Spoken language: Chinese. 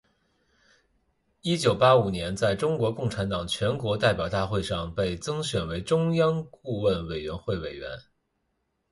一九八五年在中国共产党全国代表大会上被增选为中央顾问委员会委员。